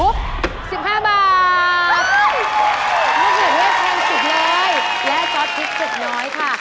และซอสพริกสุดน้อยค่ะ